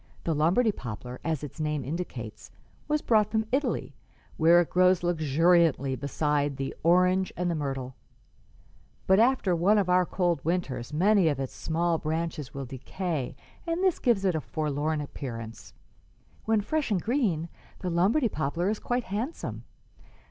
The Lombardy poplar, as its name indicates, was brought from Italy, where it grows luxuriantly beside the orange and the myrtle; but after one of our cold winters many of its small branches will decay, and this gives it a forlorn appearance. When fresh and green, the Lombardy poplar is quite handsome.